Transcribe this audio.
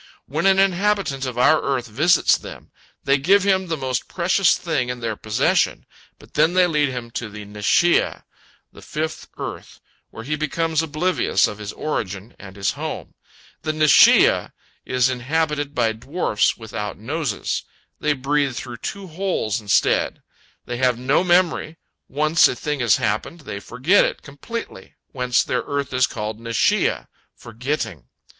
When an inhabitant of our earth visits them, they give him the most precious thing in their possession, but then they lead him to the Neshiah, the fifth earth, where he becomes oblivious of his origin and his home. The Neshiah is inhabited by dwarfs without noses; they breathe through two holes instead. They have no memory; once a thing has happened, they forget it completely, whence their earth is called Neshiah, "forgetting."